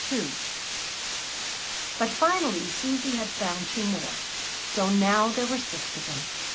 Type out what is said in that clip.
But finally Susy had found two more; so now there were six of them.